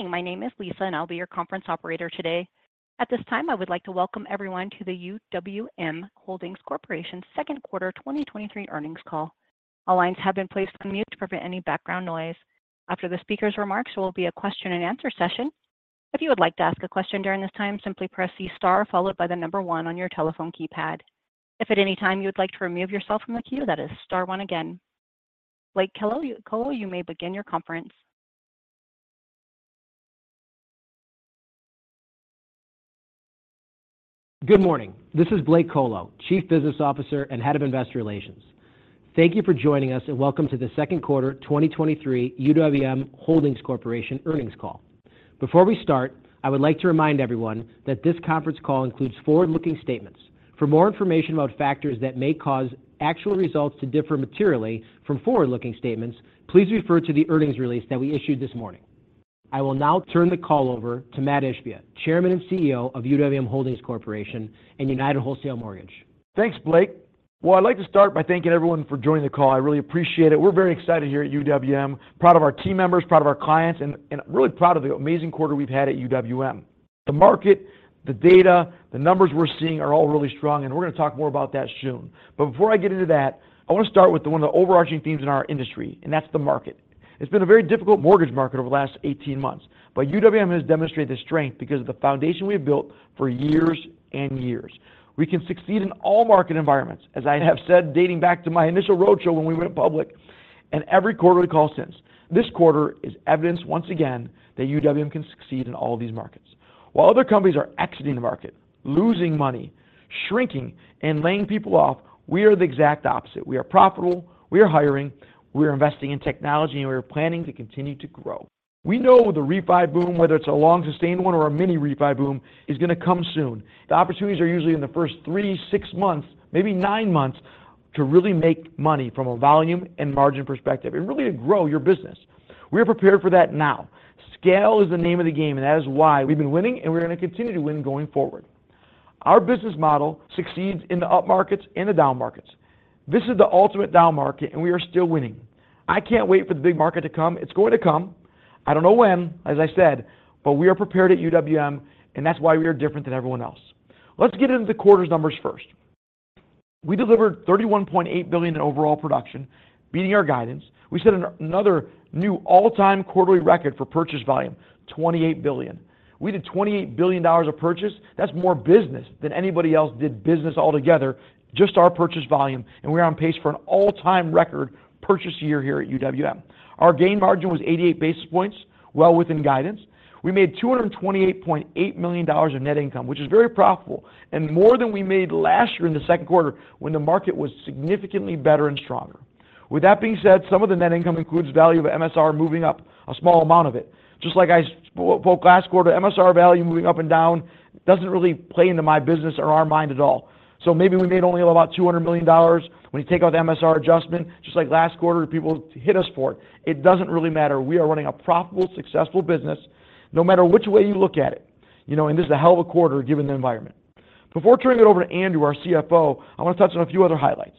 Good morning, my name is Lisa. I'll be your conference operator today. At this time, I would like to welcome everyone to the UWM Holdings Corporation second quarter 2023 earnings call. All lines have been placed on mute to prevent any background noise. After the speaker's remarks, there will be a question and answer session. If you would like to ask a question during this time, simply press the star followed by the one on your telephone keypad. If at any time you would like to remove yourself from the queue, that is star one again. Blake Kolo, you may begin your conference. Good morning. This is Blake Kolo, Chief Business Officer and Head of Investor Relations. Thank you for joining us, welcome to the second quarter 2023 UWM Holdings Corporation earnings call. Before we start, I would like to remind everyone that this conference call includes forward-looking statements. For more information about factors that may cause actual results to differ materially from forward-looking statements, please refer to the earnings release that we issued this morning. I will now turn the call over to Mat Ishbia, Chairman and CEO of UWM Holdings Corporation and United Wholesale Mortgage. Thanks, Blake. Well, I'd like to start by thanking everyone for joining the call. I really appreciate it. We're very excited here at UWM, proud of our team members, proud of our clients, and really proud of the amazing quarter we've had at UWM. The market, the data, the numbers we're seeing are all really strong, and we're going to talk more about that soon. Before I get into that, I want to start with one of the overarching themes in our industry, and that's the market. It's been a very difficult mortgage market over the last 18 months, but UWM has demonstrated the strength because of the foundation we've built for years and years. We can succeed in all market environments, as I have said, dating back to my initial roadshow when we went public, and every quarterly call since. This quarter is evidence once again that UWM can succeed in all of these markets. While other companies are exiting the market, losing money, shrinking, and laying people off, we are the exact opposite. We are profitable, we are hiring, we are investing in technology, and we are planning to continue to grow. We know the refi boom, whether it's a long-sustained one or a mini refi boom, is going to come soon. The opportunities are usually in the first three, six months, maybe nine months, to really make money from a volume and margin perspective and really to grow your business. We are prepared for that now. Scale is the name of the game, and that is why we've been winning, and we're going to continue to win going forward. Our business model succeeds in the up markets and the down markets. This is the ultimate down market. We are still winning. I can't wait for the big market to come. It's going to come. I don't know when, as I said. We are prepared at UWM. That's why we are different than everyone else. Let's get into the quarter's numbers first. We delivered $31.8 billion in overall production, beating our guidance. We set another new all-time quarterly record for purchase volume, $28 billion. We did $28 billion of purchase. That's more business than anybody else did business altogether, just our purchase volume. We're on pace for an all-time record purchase year here at UWM. Our gain margin was 88 basis points, well within guidance. We made $228.8 million of net income, which is very profitable and more than we made last year in the second quarter when the market was significantly better and stronger. With that being said, some of the net income includes value of MSR moving up, a small amount of it. Just like I spoke last quarter, MSR value moving up and down doesn't really play into my business or our mind at all. Maybe we made only about $200 million when you take out the MSR adjustment, just like last quarter, people hit us for it. It doesn't really matter. We are running a profitable, successful business, no matter which way you look at it. You know, this is a hell of a quarter, given the environment. Before turning it over to Andrew, our CFO, I want to touch on a few other highlights.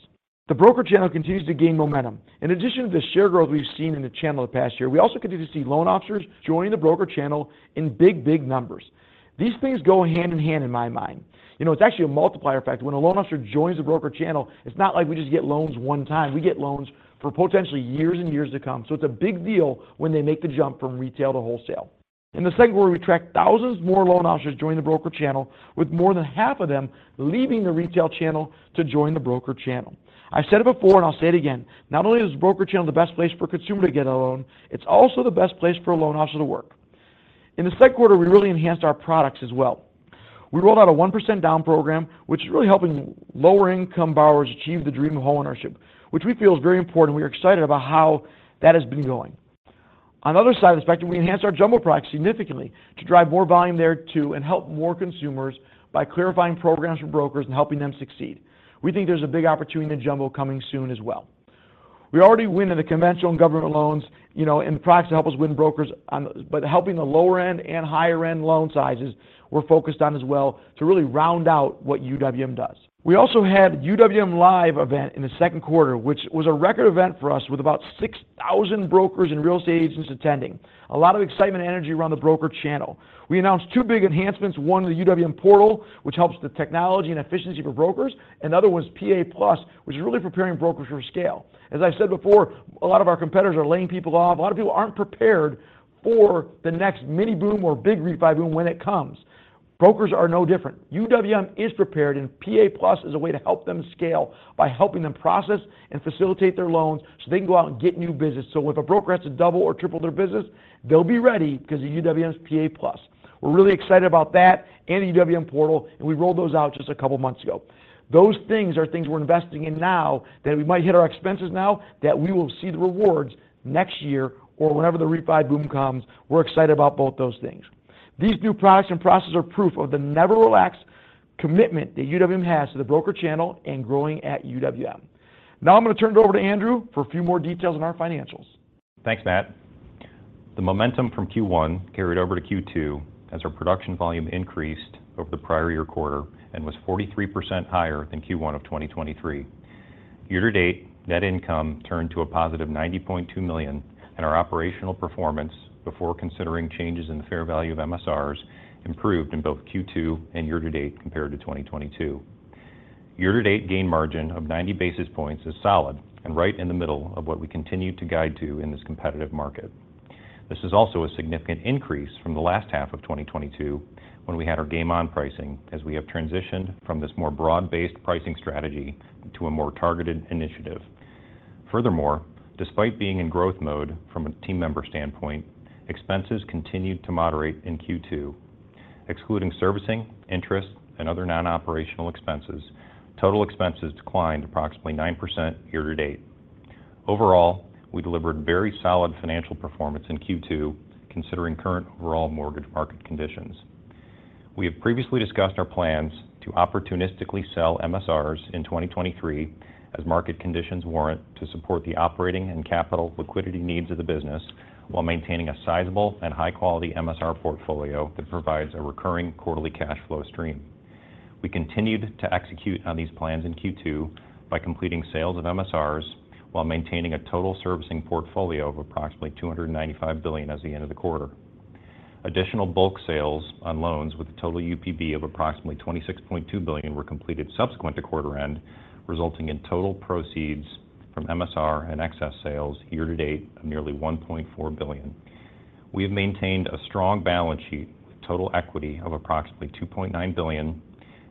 The broker channel continues to gain momentum. In addition to the share growth we've seen in the channel the past year, we also continue to see loan officers joining the broker channel in big, big numbers. These things go hand in hand in my mind. You know, it's actually a multiplier effect. When a loan officer joins the broker channel, it's not like we just get loans one time. We get loans for potentially years and years to come. It's a big deal when they make the jump from retail to wholesale. In the second quarter, we tracked thousands more loan officers joining the broker channel, with more than half of them leaving the retail channel to join the broker channel. I've said it before, and I'll say it again: not only is the broker channel the best place for a consumer to get a loan, it's also the best place for a loan officer to work. In the second quarter, we really enhanced our products as well. We rolled out a 1% down program, which is really helping lower-income borrowers achieve the dream of homeownership, which we feel is very important. We are excited about how that has been going. On the other side of the spectrum, we enhanced our jumbo products significantly to drive more volume there too, and help more consumers by clarifying programs for brokers and helping them succeed. We think there's a big opportunity in jumbo coming soon as well. We already win in the conventional and government loans, you know, and the products to help us win brokers but helping the lower-end and higher-end loan sizes, we're focused on as well to really round out what UWM does. We also had UWM LIVE! event in the second quarter, which was a record event for us, with about 6,000 brokers and real estate agents attending. A lot of excitement and energy around the broker channel. We announced two big enhancements. One, the UWM portal, which helps the technology and efficiency for brokers, and the other one is PA+, which is really preparing brokers for scale. As I've said before, a lot of our competitors are laying people off. A lot of people aren't prepared for the next mini boom or big refi boom when it comes. Brokers are no different. UWM is prepared. PA+ is a way to help them scale by helping them process and facilitate their loans, so they can go out and get new business. If a broker has to double or triple their business, they'll be ready because of UWM's PA+. We're really excited about that and the UWM portal. We rolled those out just a couple of months ago. Those things are things we're investing in now, that we might hit our expenses now, that we will see the rewards next year or whenever the refi boom comes. We're excited about both those things. These new products and processes are proof of the never-relax commitment that UWM has to the broker channel and growing at UWM. Now I'm going to turn it over to Andrew for a few more details on our financials. Thanks, Mat. The momentum from Q1 carried over to Q2 as our production volume increased over the prior year quarter and was 43% higher than Q1 of 2023.... Year-to-date, net income turned to a positive $90.2 million, and our operational performance, before considering changes in the fair value of MSRs, improved in both Q2 and year-to-date compared to 2022. Year-to-date gain margin of 90 basis points is solid and right in the middle of what we continue to guide to in this competitive market. This is also a significant increase from the last half of 2022, when we had our Game On pricing, as we have transitioned from this more broad-based pricing strategy to a more targeted initiative. Furthermore, despite being in growth mode from a team member standpoint, expenses continued to moderate in Q2. Excluding servicing, interest, and other non-operational expenses, total expenses declined approximately 9% year-to-date. Overall, we delivered very solid financial performance in Q2, considering current overall mortgage market conditions. We have previously discussed our plans to opportunistically sell MSRs in 2023 as market conditions warrant to support the operating and capital liquidity needs of the business, while maintaining a sizable and high-quality MSR portfolio that provides a recurring quarterly cash flow stream. We continued to execute on these plans in Q2 by completing sales of MSRs while maintaining a total servicing portfolio of approximately $295 billion as the end of the quarter. Additional bulk sales on loans with a total UPB of approximately $26.2 billion were completed subsequent to quarter end, resulting in total proceeds from MSR and excess sales year to date of nearly $1.4 billion. We have maintained a strong balance sheet with total equity of approximately $2.9 billion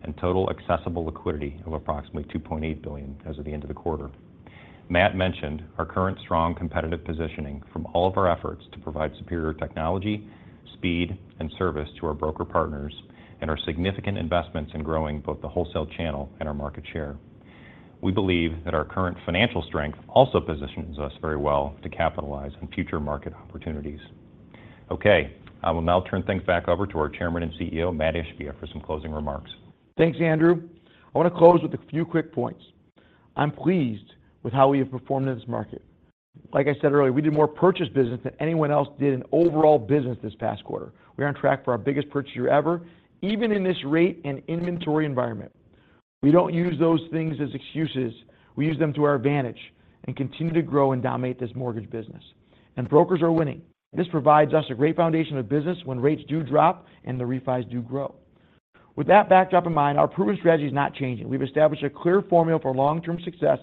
and total accessible liquidity of approximately $2.8 billion as of the end of the quarter. Mat mentioned our current strong competitive positioning from all of our efforts to provide superior technology, speed, and service to our broker partners and our significant investments in growing both the wholesale channel and our market share. We believe that our current financial strength also positions us very well to capitalize on future market opportunities. Okay, I will now turn things back over to our Chairman and CEO, Mat Ishbia, for some closing remarks. Thanks, Andrew. I want to close with a few quick points. I'm pleased with how we have performed in this market. Like I said earlier, we did more purchase business than anyone else did in overall business this past quarter. We're on track for our biggest purchase year ever, even in this rate and inventory environment. We don't use those things as excuses. We use them to our advantage and continue to grow and dominate this mortgage business. Brokers are winning. This provides us a great foundation of business when rates do drop and the refis do grow. With that backdrop in mind, our proven strategy is not changing. We've established a clear formula for long-term success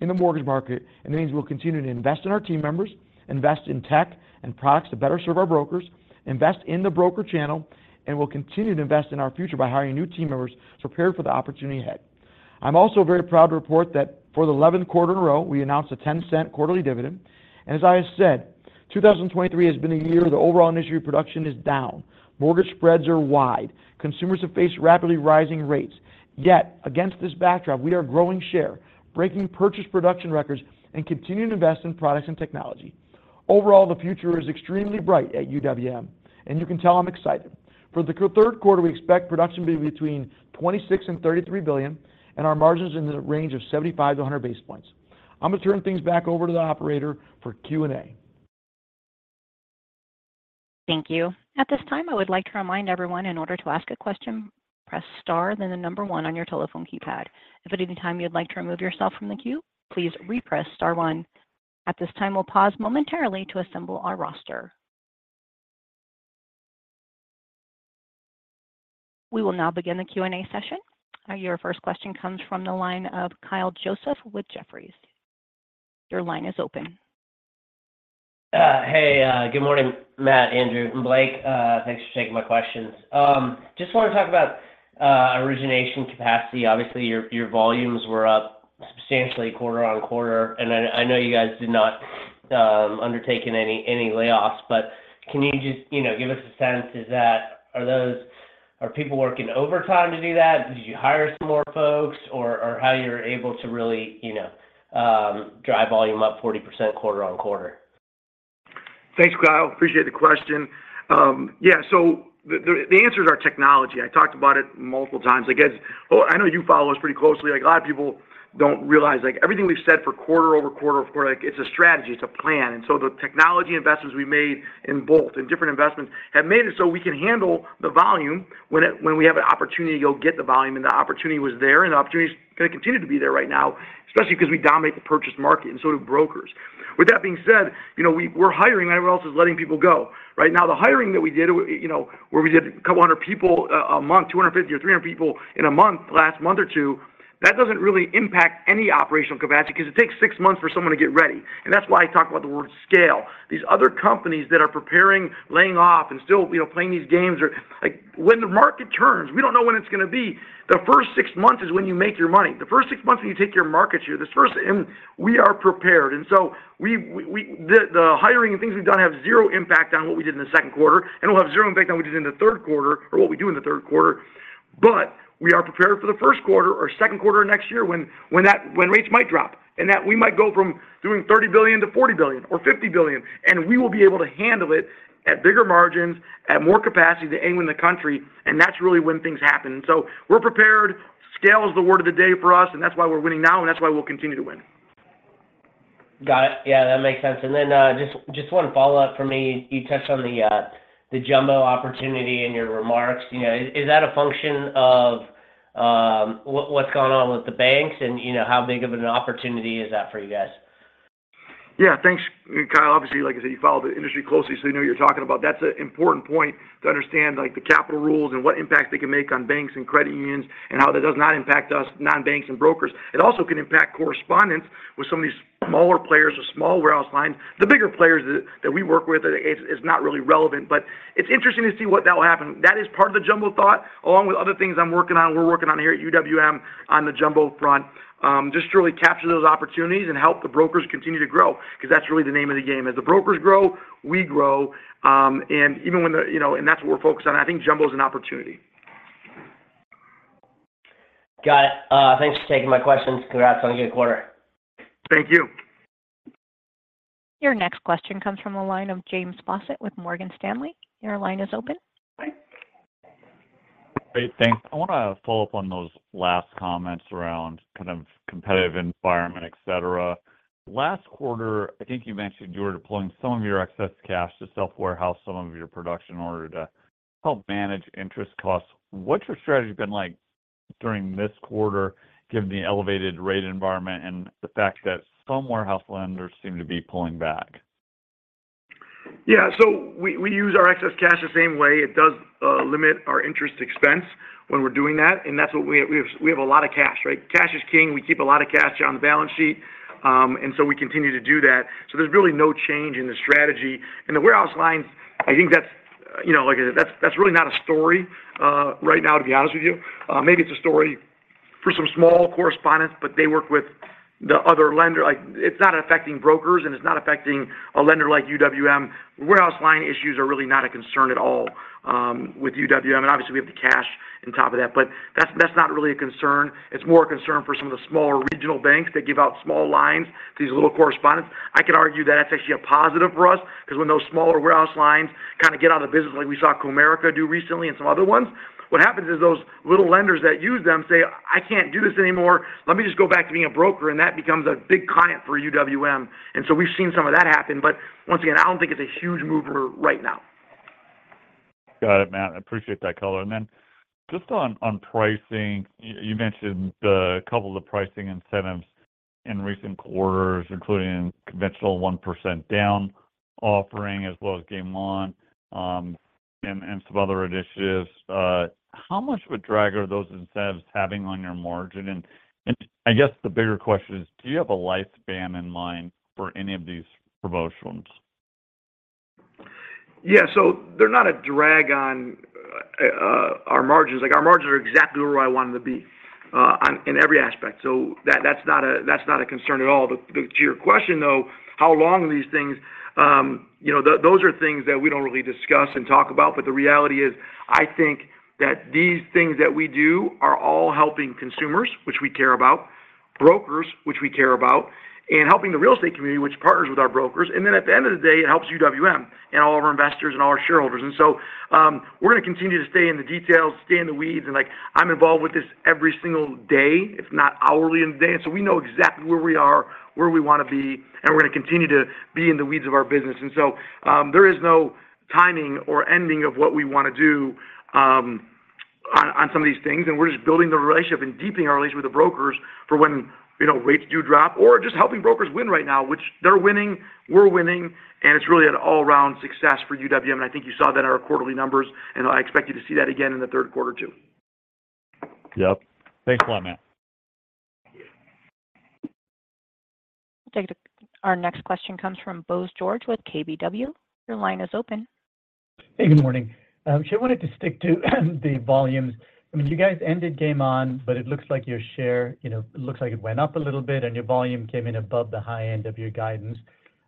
in the mortgage market. It means we'll continue to invest in our team members, invest in tech and products to better serve our brokers, invest in the broker channel, and we'll continue to invest in our future by hiring new team members prepared for the opportunity ahead. I'm also very proud to report that for the 11th quarter in a row, we announced a $0.10 quarterly dividend. As I have said, 2023 has been a year the overall industry production is down. Mortgage spreads are wide. Consumers have faced rapidly rising rates. Yet, against this backdrop, we are growing share, breaking purchase production records, and continuing to invest in products and technology. Overall, the future is extremely bright at UWM. You can tell I'm excited. For the third quarter, we expect production to be between $26 billion and $33 billion, and our margins in the range of 75 basis points-100 basis points. I'm going to turn things back over to the operator for Q&A. Thank you. At this time, I would like to remind everyone in order to ask a question, press star, then the number one on your telephone keypad. If at any time you'd like to remove yourself from the queue, please repress star one. At this time, we'll pause momentarily to assemble our roster. We will now begin the Q&A session. Your first question comes from the line of Kyle Joseph with Jefferies. Your line is open. Good morning, Mat, Andrew, and Blake. Thanks for taking my questions. Just want to talk about origination capacity. Obviously, your, your volumes were up substantially quarter-over-quarter, and I, I know you guys did not undertaken any, any layoffs, but can you just, you know, give us a sense, are people working overtime to do that? Did you hire some more folks? Or how you're able to really, you know, drive volume up 40% quarter-over-quarter? Thanks, Kyle. Appreciate the question. Yeah, so the, the, the answer is our technology. I talked about it multiple times. I guess... Well, I know you follow us pretty closely. Like, a lot of people don't realize, like, everything we've said for quarter-over-quarter-over-quarter, like, it's a strategy, it's a plan. The technology investments we made in BOLT and different investments have made it so we can handle the volume when we have an opportunity to go get the volume, and the opportunity was there, and the opportunity is gonna continue to be there right now, especially because we dominate the purchase market, and so do brokers. With that being said, you know, we're hiring. Everyone else is letting people go. Right now, the hiring that we did, you know, where we did 200 people a month, 250 or 300 people in a month, last month or two, that doesn't really impact any operational capacity because it takes 6 months for someone to get ready. That's why I talk about the word scale. These other companies that are preparing, laying off and still, you know, playing these games are. Like, when the market turns, we don't know when it's gonna be. The first six months is when you make your money. The first six months is when you take your market share. This first, and we are prepared, and so we, the, the hiring and things we've done have zero impact on what we did in the second quarter, and will have zero impact on what we did in the third quarter or what we do in the third quarter. We are prepared for the first quarter or second quarter of next year when, when rates might drop, and that we might go from doing $30 billion-$40 billion or $50 billion, and we will be able to handle it at bigger margins, at more capacity than anyone in the country, and that's really when things happen. We're prepared. Scale is the word of the day for us, and that's why we're winning now, and that's why we'll continue to win. Got it. Yeah, that makes sense. Then, just one follow-up for me. You touched on the jumbo opportunity in your remarks. You know, is that a function of what's going on with the banks? You know, how big of an opportunity is that for you guys? Yeah, thanks, Kyle. Obviously, like I said, you follow the industry closely, so you know what you're talking about. That's an important point to understand, like, the capital rules and what impact they can make on banks and credit unions, and how that does not impact us non-banks and brokers. It also can impact correspondents with some of these smaller players or small warehouse lines. The bigger players that, that we work with, it's, it's not really relevant, but it's interesting to see what that will happen. That is part of the jumbo thought, along with other things I'm working on, we're working on here at UWM on the jumbo front. just to really capture those opportunities and help the brokers continue to grow, 'cause that's really the name of the game. As the brokers grow, we grow, and even when you know, and that's what we're focused on. I think jumbo is an opportunity. Got it. Thanks for taking my questions. Congrats on a good quarter. Thank you. Your next question comes from the line of James Faucette with Morgan Stanley. Your line is open. Great, thanks. I want to follow up on those last comments around kind of competitive environment, et cetera. Last quarter, I think you mentioned you were deploying some of your excess cash to self-warehouse some of your production in order to help manage interest costs. What's your strategy been like during this quarter, given the elevated rate environment and the fact that some warehouse lenders seem to be pulling back? Yeah. We, we use our excess cash the same way. It does limit our interest expense when we're doing that, and that's what we... We have a lot of cash, right? Cash is king. We keep a lot of cash on the balance sheet, we continue to do that. There's really no change in the strategy. The warehouse lines, I think that's, you know, like I said, that's, that's really not a story right now, to be honest with you. Maybe it's a story for some small correspondents, but they work with the other lender. Like, it's not affecting brokers, and it's not affecting a lender like UWM. Warehouse line issues are really not a concern at all with UWM, and obviously, we have the cash on top of that, but that's, that's not really a concern. It's more a concern for some of the smaller regional banks that give out small lines to these little correspondents. I could argue that that's actually a positive for us, 'cause when those smaller warehouse lines kind of get out of the business, like we saw Comerica do recently and some other ones, what happens is those little lenders that use them say, "I can't do this anymore. Let me just go back to being a broker," and that becomes a big client for UWM. We've seen some of that happen, but once again, I don't think it's a huge mover right now. Got it, Mat. I appreciate that color. Then just on, on pricing, you mentioned the couple of the pricing incentives in recent quarters, including Conventional 1% Down offering, as well as Game On, and some other initiatives. How much of a drag are those incentives having on your margin? I guess the bigger question is, do you have a lifespan in mind for any of these promotions? Yeah, they're not a drag on our margins. Like, our margins are exactly where I want them to be in every aspect. That, that's not a, that's not a concern at all. To your question, though, how long are these things? You know, those are things that we don't really discuss and talk about, but the reality is, I think that these things that we do are all helping consumers, which we care about, brokers, which we care about, and helping the real estate community, which partners with our brokers. Then at the end of the day, it helps UWM and all of our investors and all our shareholders. We're going to continue to stay in the details, stay in the weeds, and, like, I'm involved with this every single day, if not hourly in the day. So we know exactly where we are, where we want to be, and we're going to continue to be in the weeds of our business. So, there is no timing or ending of what we want to do on, on some of these things, and we're just building the relationship and deepening our relations with the brokers for when, you know, rates do drop or just helping brokers win right now, which they're winning, we're winning, and it's really an all-round success for UWM. I think you saw that in our quarterly numbers, and I expect you to see that again in the third quarter, too. Yep. Thanks a lot, Mat. Our next question comes from Bose George with KBW. Your line is open. Hey, good morning. I wanted to stick to the volumes. I mean, you guys ended Game On, but it looks like your share, you know, looks like it went up a little bit, and your volume came in above the high end of your guidance.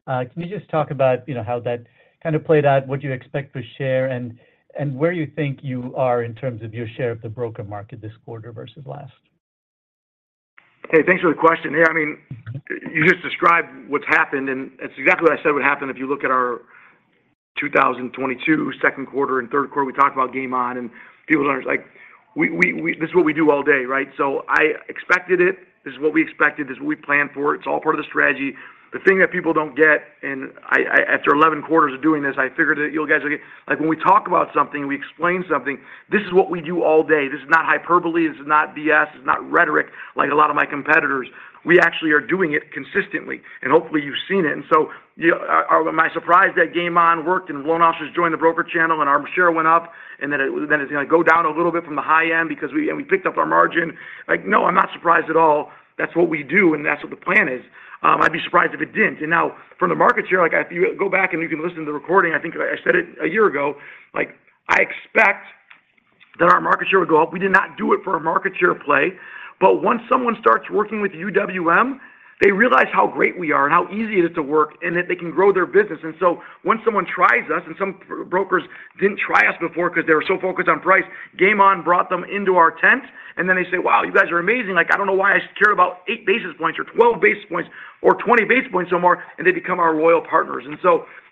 Can you just talk about, you know, how that kind of played out, what you expect for share, and, and where you think you are in terms of your share of the broker market this quarter versus last? Hey, thanks for the question. Yeah, I mean, you just described what's happened, and it's exactly what I said would happen if you look at our 2022, second quarter, and third quarter. We talked about Game On, and people are like, this is what we do all day, right? I expected it. This is what we expected. This is what we planned for. It's all part of the strategy. The thing that people don't get, and after 11 quarters of doing this, I figured that you guys would get... Like, when we talk about something, we explain something, this is what we do all day. This is not hyperbole. This is not BS. It's not rhetoric, like a lot of my competitors. We actually are doing it consistently, and hopefully, you've seen it. So, am I surprised that Game On worked, and loan officers joined the broker channel, and our share went up, and then it's going to go down a little bit from the high end because we picked up our margin? Like, no, I'm not surprised at all. That's what we do, and that's what the plan is. I'd be surprised if it didn't. Now, from the market share, like, if you go back and you can listen to the recording, I think I said it a year ago, like, I expect that our market share would go up. We did not do it for a market share play, but once someone starts working with UWM, they realize how great we are and how easy it is to work, and that they can grow their business. Once someone tries us, and some brokers didn't try us before 'cause they were so focused on price, Game On brought them into our tent, and then they say, "Wow, you guys are amazing. Like, I don't know why I care about 8 basis points or 12 basis points or 20 basis points no more," and they become our loyal partners.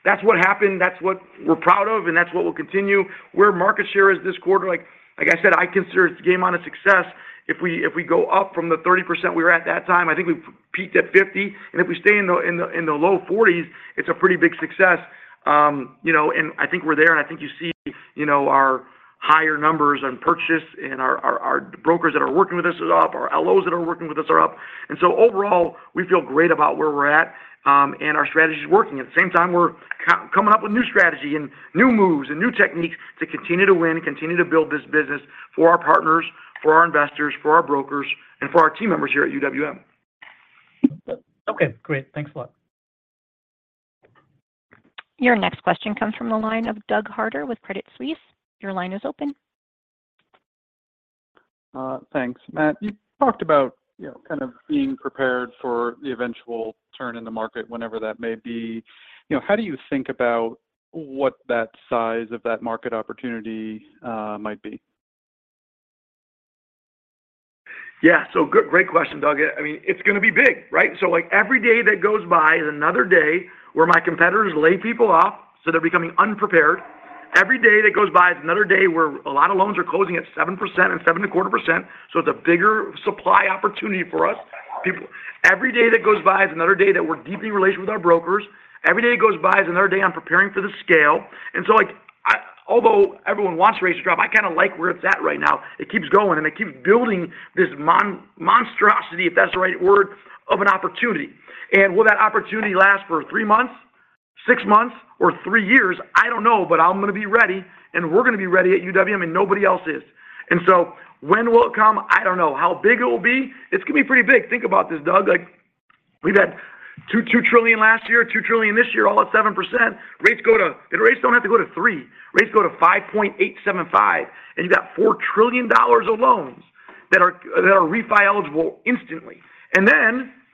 That's what happened, that's what we're proud of, and that's what we'll continue. Where market share is this quarter, like I said, I consider Game On a success. If we, if we go up from the 30% we were at that time, I think we've peaked at 50, and if we stay in the low 40s, it's a pretty big success. you know, I think we're there. I think you see, you know, our higher numbers on purchase. Our, our, our brokers that are working with us is up. Our LOs that are working with us are up. Overall, we feel great about where we're at. Our strategy is working. At the same time, we're co-coming up with new strategy and new moves and new techniques to continue to win and continue to build this business for our partners, for our investors, for our brokers, and for our team members here at UWM. Okay, great. Thanks a lot. Your next question comes from the line of Doug Harter with Credit Suisse. Your line is open. Thanks. Mat, you talked about, you know, kind of being prepared for the eventual turn in the market, whenever that may be. You know, how do you think about what that size of that market opportunity might be? Yeah. Good, great question, Doug. I mean, it's going to be big, right? Like, every day that goes by is another day where my competitors lay people off, so they're becoming unprepared. Every day that goes by is another day where a lot of loans are closing at 7% and 7.25%, so it's a bigger supply opportunity for us. People, every day that goes by is another day that we're deepening relations with our brokers. Every day that goes by is another day on preparing for the scale. Like, I although everyone wants rates to drop, I kind of like where it's at right now. It keeps going, and it keeps building this monstrosity, if that's the right word, of an opportunity. Will that opportunity last for three months, six months, or three years? I don't know, but I'm going to be ready, and we're going to be ready at UWM, and nobody else is. When will it come? I don't know. How big it will be? It's going to be pretty big. Think about this, Doug, like, we've had $2 trillion last year, $2 trillion this year, all at 7%. Rates go to... and rates don't have to go to 3. Rates go to 5.875, and you've got $4 trillion of loans that are refi eligible instantly.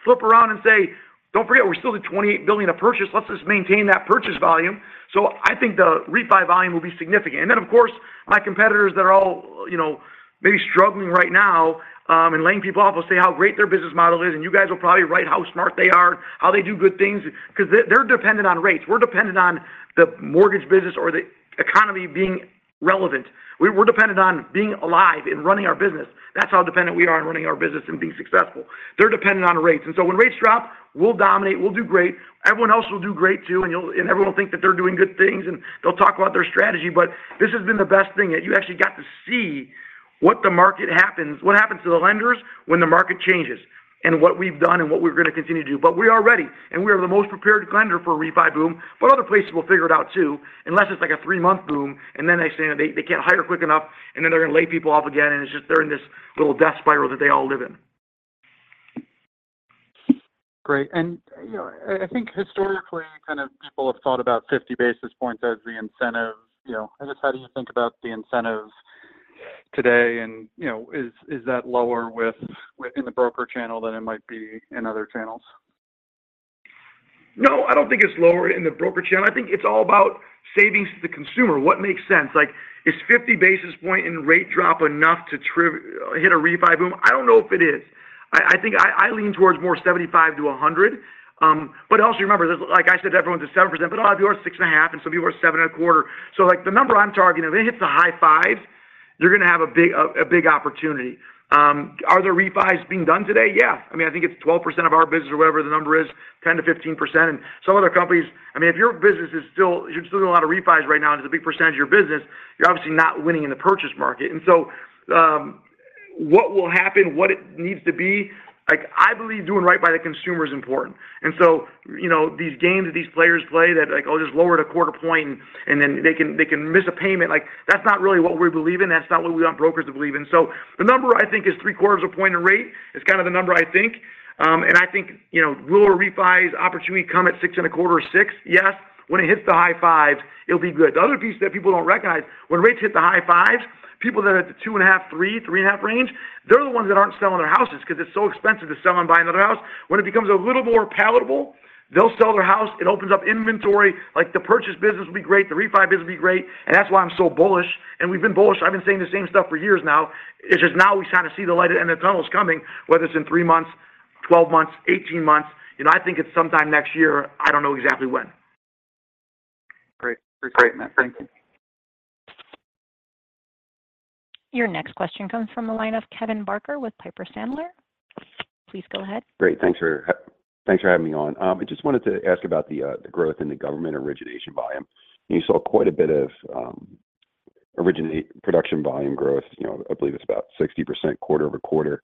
Flip around and say, "Don't forget, we're still at $28 billion of purchase. Let's just maintain that purchase volume." I think the refi volume will be significant. Then, of course, my competitors that are all, you know, maybe struggling right now, and laying people off, will say how great their business model is, and you guys will probably write how smart they are, how they do good things, 'cause they're dependent on rates. We're dependent on the mortgage business or the economy being relevant. We're dependent on being alive and running our business. That's how dependent we are on running our business and being successful. They're dependent on rates. So when rates drop, we'll dominate, we'll do great. Everyone else will do great, too, and everyone will think that they're doing good things, and they'll talk about their strategy. This has been the best thing, that you actually got to see what happens to the lenders when the market changes, and what we've done and what we're going to continue to do. We are ready, and we are the most prepared lender for a refi boom. Other places will figure it out, too, unless it's like a three-month boom, and then they say that they can't hire quick enough, and then they're going to lay people off again, and it's just they're in this little death spiral that they all live in. Great. You know, I, I think historically, kind of people have thought about 50 basis points as the incentive. You know, I just how do you think about the incentives today? You know, is, is that lower within the broker channel than it might be in other channels? No, I don't think it's lower in the broker channel. I think it's all about savings to the consumer. What makes sense? Like, is 50 basis points in rate drop enough to hit a refi boom? I don't know if it is. I, I think I, I lean towards more 75 to 100. Also remember, this, like I said, everyone's at 7%, but a lot of people are at 6.5, and some people are at 7.25. Like, the number I'm targeting, if it hits the high 5s, you're going to have a big, a big opportunity. Are there refis being done today? Yeah. I mean, I think it's 12% of our business or whatever the number is, 10%-15%. Some other companies... I mean, if your business is still, you're still doing a lot of refis right now, and it's a big percentage of your business, you're obviously not winning in the purchase market. What will happen, what it needs to be, like, I believe doing right by the consumer is important. You know, these games that these players play that, like, "Oh, just lower it 0.25 point, and then they can, they can miss a payment," like, that's not really what we believe in. That's not what we want brokers to believe in. The number I think is 0.75 point in rate, is kind of the number I think. I think, you know, will a refi's opportunity come at 6.25 or 6? Yes. When it hits the high 5s, it'll be good. The other piece that people don't recognize, when rates hit the high 5s, people that are at the 2.5, 3, 3.5 range, they're the ones that aren't selling their houses because it's so expensive to sell and buy another house. When it becomes a little more palatable, they'll sell their house. It opens up inventory, like, the purchase business will be great, the refi business will be great, and that's why I'm so bullish, and we've been bullish. I've been saying the same stuff for years now. It's just now we're starting to see the light at the end of the tunnel is coming, whether it's in 3 months, 12 months, 18 months. You know, I think it's sometime next year. I don't know exactly when. Great. Great, Matt. Thank you. Your next question comes from the line of Kevin Barker with Piper Sandler. Please go ahead. Great. Thanks for, thanks for having me on. I just wanted to ask about the growth in the government origination volume. You saw quite a bit of production volume growth, you know, I believe it's about 60% quarter-over-quarter,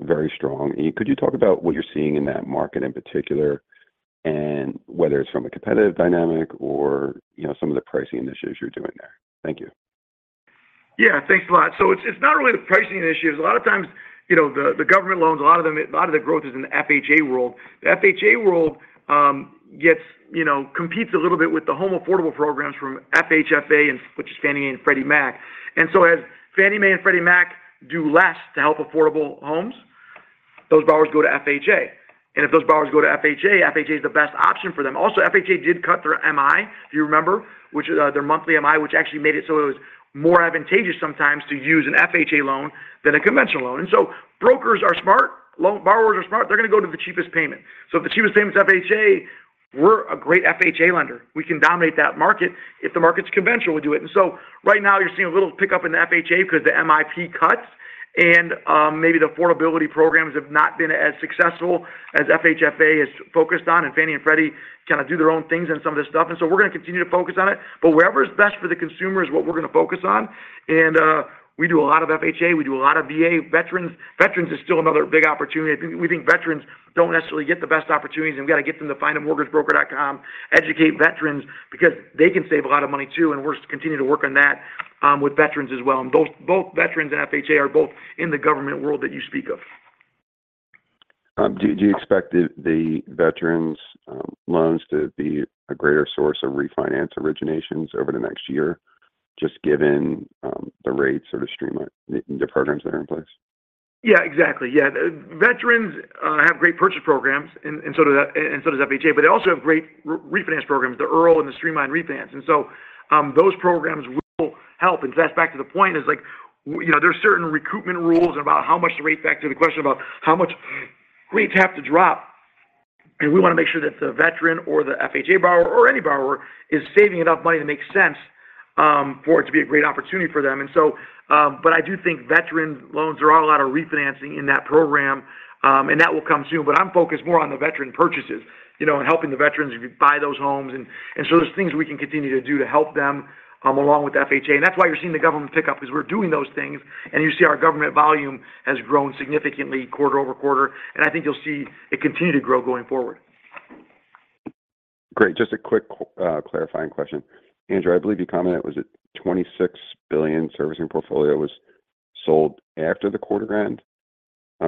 very strong. Could you talk about what you're seeing in that market in particular, and whether it's from a competitive dynamic or, you know, some of the pricing initiatives you're doing there? Thank you. Yeah, thanks a lot. It's not really the pricing initiatives. A lot of times, you know, the government loans, a lot of them, a lot of the growth is in the FHA world. The FHA world gets, you know, competes a little bit with the home affordable programs from FHFA, which is Fannie and Freddie Mac. As Fannie Mae and Freddie Mac do less to help affordable homes, those borrowers go to FHA. If those borrowers go to FHA, FHA is the best option for them. Also, FHA did cut their MI, if you remember, which is their monthly MI, which actually made it so it was more advantageous sometimes to use an FHA loan than a conventional loan. Brokers are smart, borrowers are smart, they're going to go to the cheapest payment. If the cheapest payment is FHA, we're a great FHA lender. We can dominate that market. If the market's conventional, we do it. Right now, you're seeing a little pickup in the FHA because the MIP cuts, maybe the affordability programs have not been as successful as FHFA has focused on, and Fannie and Freddie kind of do their own things in some of this stuff. We're going to continue to focus on it, but wherever is best for the consumer is what we're going to focus on. We do a lot of FHA. We do a lot of VA veterans. Veterans is still another big opportunity. We think veterans don't necessarily get the best opportunities, and we got to get them to FindAMortgageBroker.com, educate veterans, because they can save a lot of money, too. We're continue to work on that, with veterans as well. Both veterans and FHA are both in the government world that you speak of. Do, do you expect the, the veterans loans to be a greater source of refinance originations over the next year, just given the rates or the streamline, the, the programs that are in place? Yeah, exactly. Yeah. The veterans have great purchase programs and, and so does, and so does FHA, but they also have great refinance programs, the IRRRL and the streamline refinance. Those programs will help. That's back to the point is, like, you know, there are certain recruitment rules about how much the rate, back to the question about how much rates have to drop, and we want to make sure that the veteran or the FHA borrower or any borrower is saving enough money to make sense for it to be a great opportunity for them. I do think veteran loans, there are a lot of refinancing in that program, and that will come soon. I'm focused more on the veteran purchases, you know, and helping the veterans buy those homes. There's things we can continue to do to help them along with FHA. That's why you're seeing the government pick up, because we're doing those things, and you see our government volume has grown significantly quarter-over-quarter, and I think you'll see it continue to grow going forward. Great. Just a quick, clarifying question. Andrew, I believe you commented, was it $26 billion servicing portfolio was sold after the quarter end?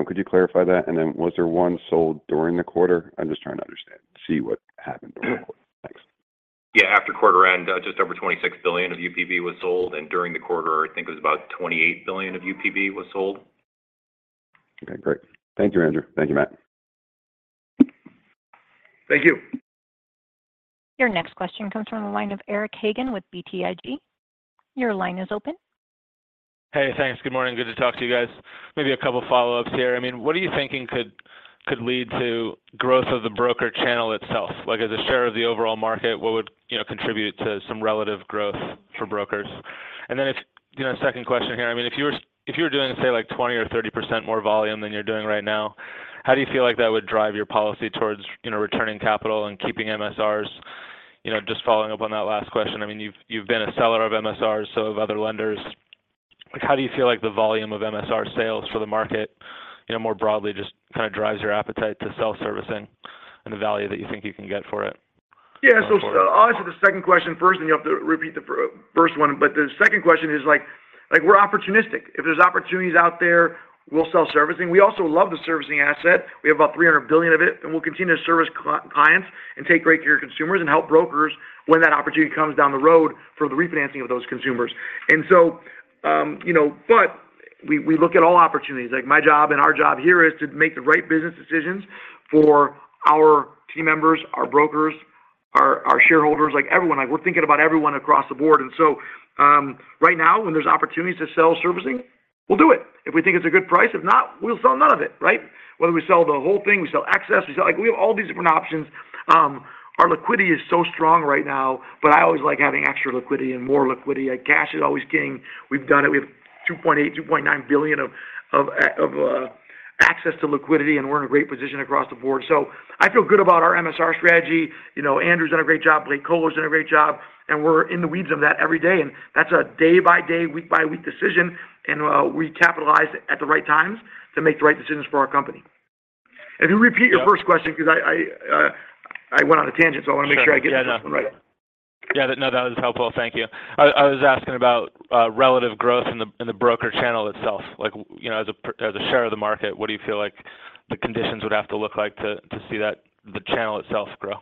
Could you clarify that? And then was there one sold during the quarter? I'm just trying to understand, see what happened during the quarter. Thanks. Yeah, after quarter end, just over $26 billion of UPB was sold, and during the quarter, I think it was about $28 billion of UPB was sold. Okay, great. Thank you, Andrew. Thank you, Matt. Thank you. Your next question comes from the line of Eric Hagen with BTIG. Your line is open. Hey, thanks. Good morning. Good to talk to you guys. Maybe a couple of follow-ups here. I mean, what are you thinking could, could lead to growth of the broker channel itself? Like, as a share of the overall market, what would, you know, contribute to some relative growth for brokers? Then if, you know, second question here, I mean, if you were, if you were doing, say, like, 20% or 30% more volume than you're doing right now, how do you feel like that would drive your policy towards, you know, returning capital and keeping MSRs? You know, just following up on that last question, I mean, you've, you've been a seller of MSRs, so of other lenders. Like, how do you feel like the volume of MSR sales for the market, you know, more broadly, just kind of drives your appetite to sell servicing and the value that you think you can get for it? Yeah, so I'll answer the second question first, and you'll have to repeat the first one. The second question is like, we're opportunistic. If there's opportunities out there, we'll sell servicing. We also love the servicing asset. We have about $300 billion of it, and we'll continue to service clients and take great care of consumers and help brokers when that opportunity comes down the road for the refinancing of those consumers. You know, but we, we look at all opportunities, like my job and our job here is to make the right business decisions for our team members, our brokers, our, our shareholders, like, everyone. Like, we're thinking about everyone across the board. Right now, when there's opportunities to sell servicing, we'll do it. If we think it's a good price, if not, we'll sell none of it, right? Whether we sell the whole thing, we sell access, we sell... Like, we have all these different options. Our liquidity is so strong right now, I always like having extra liquidity and more liquidity. Cash is always king. We've done it. We have $2.8 billion-$2.9 billion of access to liquidity, and we're in a great position across the board. I feel good about our MSR strategy. You know, Andrew's done a great job. Blake Kolo's done a great job, and we're in the weeds of that every day, and that's a day-by-day, week-by-week decision, and we capitalize at the right times to make the right decisions for our company. If you repeat your first question, 'cause I, I, I went on a tangent, so I want to make sure I get this one right. Yeah, no, that was helpful. Thank you. I, I was asking about relative growth in the, in the broker channel itself. Like, you know, as a as a share of the market, what do you feel like the conditions would have to look like to, to see that, the channel itself grow?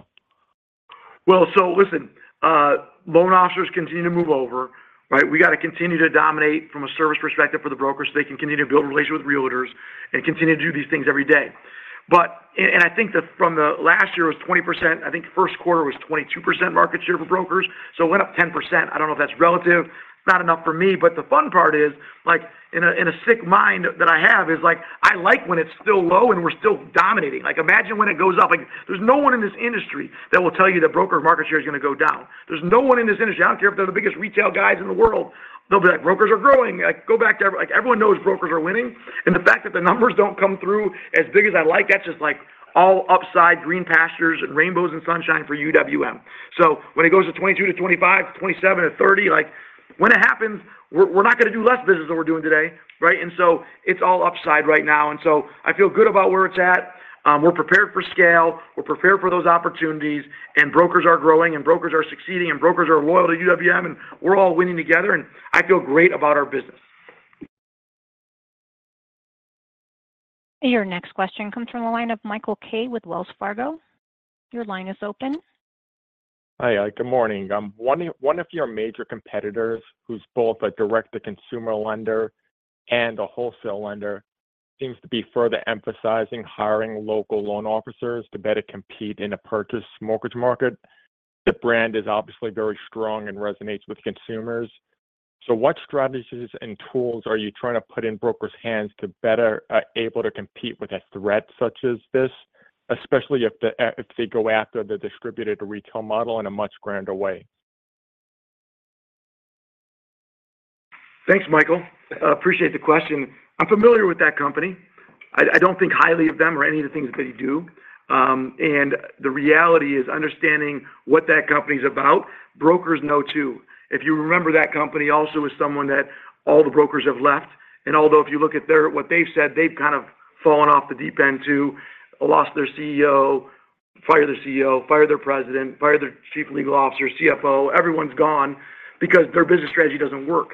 Well, listen, loan officers continue to move over, right? We got to continue to dominate from a service perspective for the brokers, so they can continue to build relationships with realtors and continue to do these things every day. I think that from the last year, it was 20%, I think first quarter was 22% market share for brokers, so it went up 10%. I don't know if that's relative. It's not enough for me, but the fun part is, like, in a, in a sick mind that I have, is like, I like when it's still low, and we're still dominating. Like, imagine when it goes up. Like, there's no one in this industry that will tell you that broker market share is going to go down. There's no one in this industry. I don't care if they're the biggest retail guys in the world, they'll be like, "Brokers are growing." Like, go back to like, everyone knows brokers are winning, and the fact that the numbers don't come through as big as I like, that's just like all upside, green pastures and rainbows and sunshine for UWM. When it goes to 22-25, to 27-30, like, when it happens, we're not going to do less business than we're doing today, right? It's all upside right now, and so I feel good about where it's at. We're prepared for scale, we're prepared for those opportunities, and brokers are growing, and brokers are succeeding, and brokers are loyal to UWM, and we're all winning together, and I feel great about our business. Your next question comes from the line of Michael Kaye with Wells Fargo. Your line is open. Hi, good morning. one of, one of your major competitors, who's both a direct-to-consumer lender and a wholesale lender, seems to be further emphasizing hiring local loan officers to better compete in a purchase mortgage market. The brand is obviously very strong and resonates with consumers. What strategies and tools are you trying to put in brokers' hands to better able to compete with a threat such as this, especially if the if they go after the distributed retail model in a much grander way? Thanks, Michael. I appreciate the question. I'm familiar with that company. I, I don't think highly of them or any of the things that they do. The reality is, understanding what that company is about, brokers know, too. If you remember, that company also is someone that all the brokers have left, although if you look at what they've said, they've kind of fallen off the deep end, too. Lost their CEO, fired their CEO, fired their president, fired their chief legal officer, CFO, everyone's gone because their business strategy doesn't work.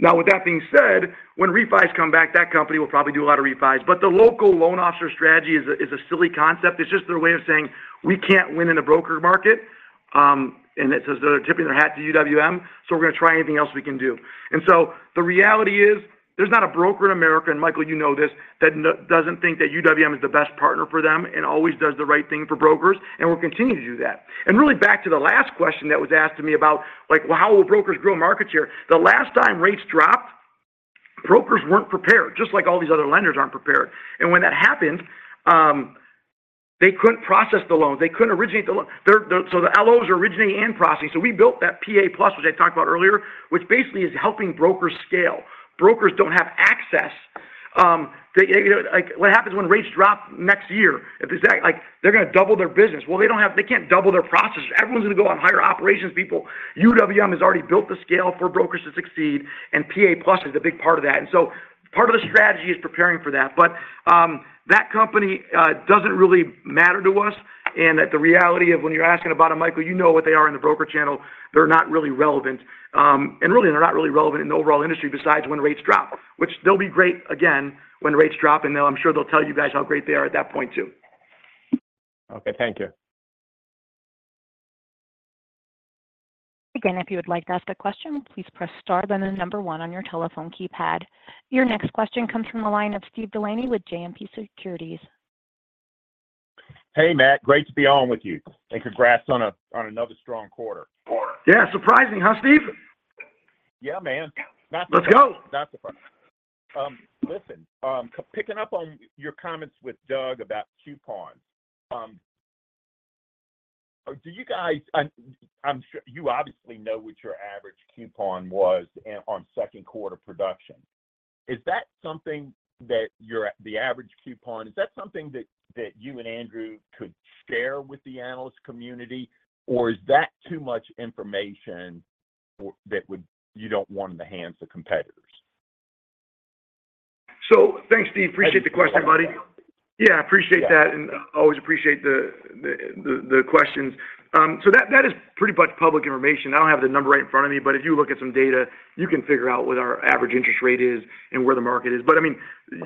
With that being said, when refis come back, that company will probably do a lot of refis, the local loan officer strategy is a, is a silly concept. It's just their way of saying, "We can't win in a broker market," and it's as though they're tipping their hat to UWM, "so we're going to try anything else we can do." The reality is, there's not a broker in America, and Michael, you know this, that doesn't think that UWM is the best partner for them and always does the right thing for brokers, and we'll continue to do that. Really, back to the last question that was asked to me about, like, well, how will brokers grow market share? The last time rates dropped, brokers weren't prepared, just like all these other lenders aren't prepared. When that happened, they couldn't process the loans, they couldn't originate the loan. They're, so the LOs are originating and processing. We built that PA+, which I talked about earlier, which basically is helping brokers scale. Brokers don't have access, they, you know, like what happens when rates drop next year? If they say, like, they're going to double their business. Well, they can't double their processors. Everyone's going to go out and hire operations people. UWM has already built the scale for brokers to succeed, and PA+ is a big part of that. Part of the strategy is preparing for that. That company doesn't really matter to us, and that the reality of when you're asking about them, Michael, you know what they are in the broker channel. They're not really relevant, and really, they're not really relevant in the overall industry besides when rates drop, which they'll be great again, when rates drop, I'm sure they'll tell you guys how great they are at that point, too. Okay. Thank you. Again, if you would like to ask a question, please press star, then the one on your telephone keypad. Your next question comes from the line of Stephen Delaney with JMP Securities. Hey, Mat, great to be on with you, and congrats on another strong quarter. Yeah, surprising, huh, Steve? Yeah, man. Let's go! Not surprising. Listen, picking up on your comments with Doug about coupons. Do you guys... I'm sure you obviously know what your average coupon was on second quarter production. Is that something that you're, the average coupon, is that something that, that you and Andrew could share with the analyst community, or is that too much information that would, you don't want in the hands of competitors? Thanks, Steve. Appreciate the question, buddy. Yeah. Yeah, appreciate that, and always appreciate the, the, the questions. That, that is pretty much public information. I don't have the number right in front of me, but if you look at some data, you can figure out what our average interest rate is and where the market is. I mean,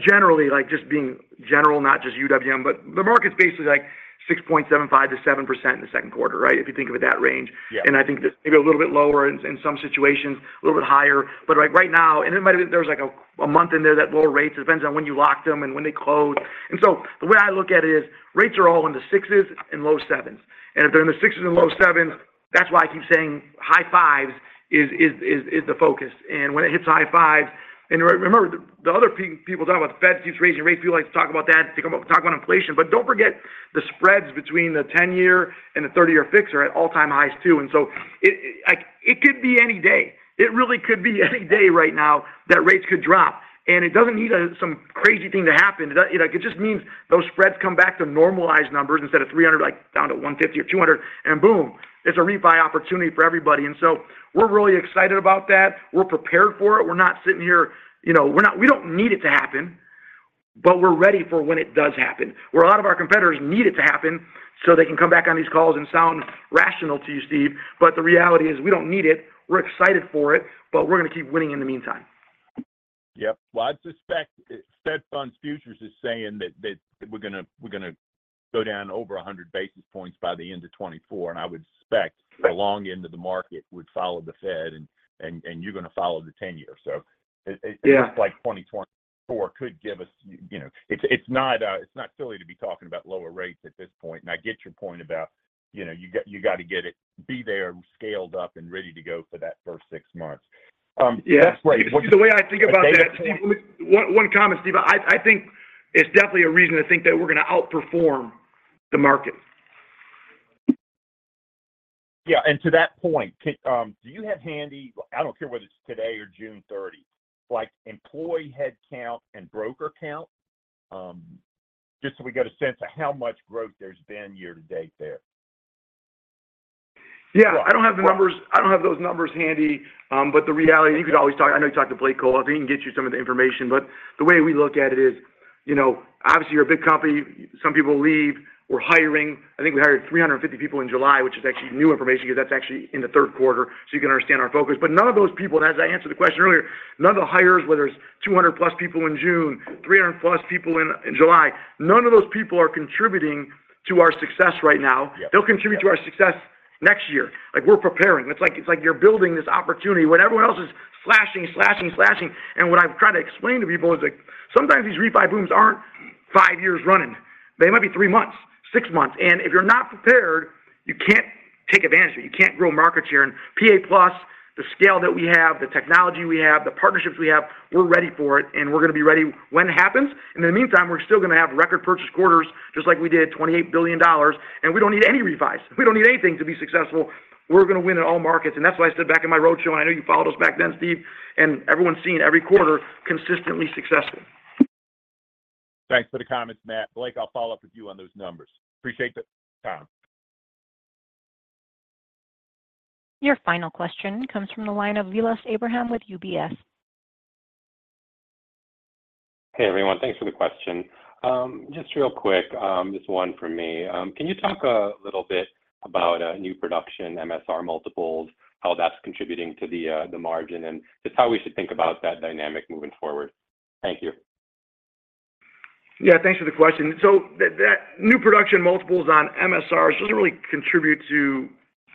generally, like just being general, not just UWM, but the market's basically like 6.75%-7% in the second quarter, right? If you think of it, that range. Yeah. I think maybe a little bit lower in, in some situations, a little bit higher. Like right now, and it might have been there was like a, a month in there that lowered rates, it depends on when you locked them and when they closed. The way I look at it is, rates are all in the sixes and low sevens, and if they're in the sixes and low sevens, that's why I keep saying high fives is, is, is, is the focus. When it hits high fives, and re-remember, the, the other people talk about the Fed keeps raising rates. People like to talk about that, talk about, talk about inflation. Don't forget, the spreads between the ten-year and the 30-year fixed are at all-time highs, too. It, like, it could be any day. It really could be any day right now that rates could drop, and it doesn't need some crazy thing to happen. That, you know, like, it just means those spreads come back to normalized numbers instead of 300, like, down to 150 or 200, and boom, it's a refi opportunity for everybody. So we're really excited about that. We're prepared for it. We're not sitting here, you know, we don't need it to happen, but we're ready for when it does happen. Where a lot of our competitors need it to happen, so they can come back on these calls and sound rational to you, Steve. The reality is, we don't need it. We're excited for it, but we're going to keep winning in the meantime. Yep. Well, I'd suspect Fed Funds Futures is saying that, that we're going to, we're going to go down over 100 basis points by the end of 2024, and I would suspect the long end of the market would follow the Fed, and, and, and you're going to follow the ten-year. Yeah... it looks like 2024 could give us, you know, it's, it's not, it's not silly to be talking about lower rates at this point. I get your point about, you know, you got, you got to get it, be there, scaled up and ready to go for that first 6 months. That's great. The way I think about that, Steve, Okay. One, one comment, Steve. I, I think it's definitely a reason to think that we're going to outperform the market. Yeah, and to that point, can do you have handy, I don't care whether it's today or June 30, like, employee headcount and broker count? Just so we get a sense of how much growth there's been year to date there. Yeah, I don't have the numbers I don't have those numbers handy, but the reality, you could always talk... I know you talked to Blake Kolo. He can get you some of the information, but the way we look at it is, you know, obviously, you're a big company. Some people leave. We're hiring. I think we hired 350 people in July, which is actually new information because that's actually in the third quarter, so you can understand our focus. None of those people, and as I answered the question earlier, none of the hires, whether it's 200+ people in June, 300+ people in, in July, none of those people are contributing to our success right now. Yeah. They'll contribute to our success next year. Like, we're preparing. It's like, it's like you're building this opportunity when everyone else is slashing, slashing, slashing. What I've tried to explain to people is like, sometimes these refi booms aren't five years running. They might be three months, six months, and if you're not prepared, you can't take advantage of it. You can't grow market share. PA+, the scale that we have, the technology we have, the partnerships we have, we're ready for it, and we're going to be ready when it happens. In the meantime, we're still going to have record purchase quarters, just like we did $28 billion, and we don't need any refis. We don't need anything to be successful. We're going to win in all markets, and that's why I stood back in my road show, and I know you followed us back then, Steve, and everyone's seen every quarter consistently successful. Thanks for the comments, Matt. Blake, I'll follow up with you on those numbers. Appreciate the time. Your final question comes from the line of Vilas Abraham with UBS. Hey, everyone. Thanks for the question. Just real quick, just one from me. Can you talk a little bit about new production, MSR multiples, how that's contributing to the margin, and just how we should think about that dynamic moving forward? Thank you. Yeah, thanks for the question. The, that new production multiples on MSRs doesn't really contribute to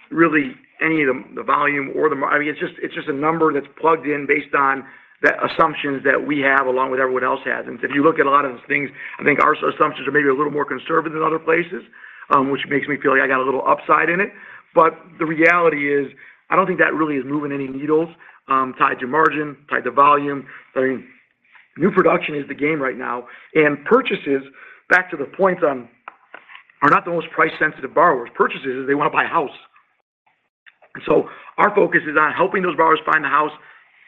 really any of the, the volume or the mar- I mean, it's just, it's just a number that's plugged in based on the assumptions that we have along with everyone else has. If you look at a lot of those things, I think our assumptions are maybe a little more conservative than other places, which makes me feel like I got a little upside in it. The reality is, I don't think that really is moving any needles, tied to margin, tied to volume. I mean, new production is the game right now, and purchases, back to the point on, are not the most price-sensitive borrowers. Purchases is they want to buy a house. Our focus is on helping those borrowers find a house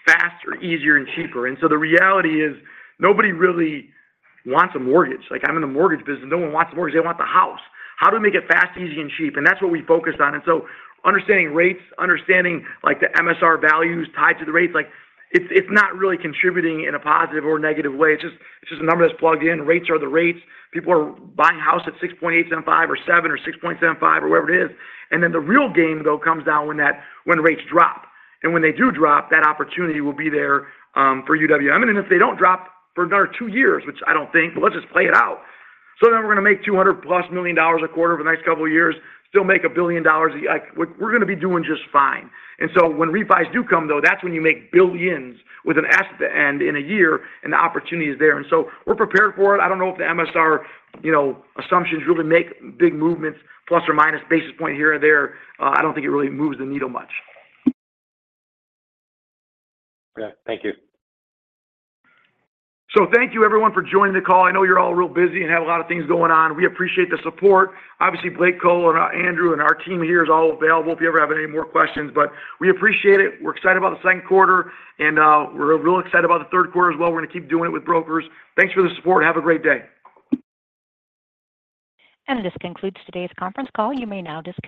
faster, easier, and cheaper. The reality is, nobody really wants a mortgage. Like, I'm in the mortgage business, no one wants a mortgage, they want the house. How do we make it fast, easy, and cheap? That's what we focus on. Understanding rates, understanding like the MSR values tied to the rates, like, it's, it's not really contributing in a positive or negative way. It's just, it's just a number that's plugged in. Rates are the rates. People are buying a house at 6.875 or 7 or 6.75 or whatever it is. The real game, though, comes down when rates drop. When they do drop, that opportunity will be there for UWM. Even if they don't drop for another two years, which I don't think, but let's just play it out. Then we're going to make $200+ million a quarter over the next couple of years, still make $1 billion. Like, we're, we're going to be doing just fine. So when refis do come, though, that's when you make billions with an S at the end in a year, and the opportunity is there, and so we're prepared for it. I don't know if the MSR, you know, assumptions really make big movements plus or minus basis point here or there. I don't think it really moves the needle much. Okay. Thank you. Thank you, everyone, for joining the call. I know you're all real busy and have a lot of things going on. We appreciate the support. Obviously, Blake Kolo and Andrew and our team here is all available if you ever have any more questions, but we appreciate it. We're excited about the second quarter, we're real excited about the third quarter as well. We're going to keep doing it with brokers. Thanks for the support. Have a great day. This concludes today's conference call. You may now disconnect.